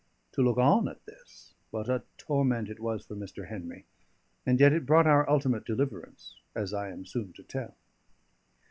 To look on at this, what a torment it was for Mr. Henry! And yet it brought our ultimate deliverance, as I am soon to tell.